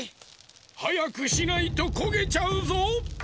はやくしないとこげちゃうぞ。